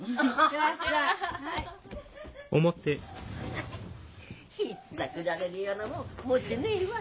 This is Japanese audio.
ハハハひったくられるようなもん持ってねえわ。